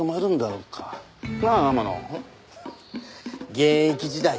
現役時代